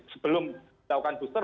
sebelum melakukan booster